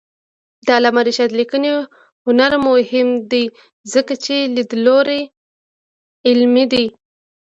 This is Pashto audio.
د علامه رشاد لیکنی هنر مهم دی ځکه چې لیدلوری علمي دی.